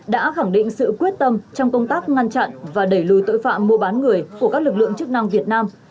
đã khẳng định sự quyết tâm trong công tác ngăn chặn và đẩy lùi tội phạm mua bán người của các lực lượng chức năng việt nam